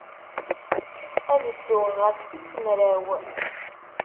Ad dduɣ ɣef tis mraw.